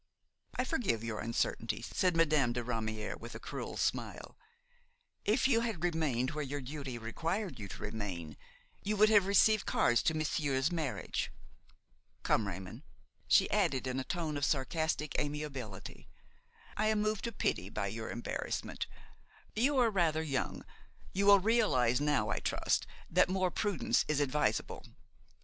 "I forgive your uncertainty," said Madame de Ramière with a cruel smile. "If you had remained where your duty required you to remain, you would have received cards to monsieur's marriage. Come, Raymon," she added in a tone of sarcastic amiability, "I am moved to pity by your embarrassment. You are rather young; you will realize now, I trust, that more prudence is advisable.